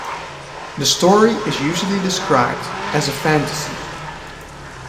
The story is usually described as a fantasy.